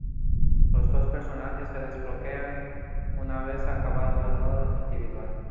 Los dos personajes se desbloquean una vez acabado el Modo Individual.